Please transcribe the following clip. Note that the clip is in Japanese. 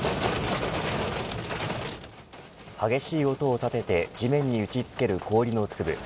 激しい音を立てて地面に打ち付ける氷の粒。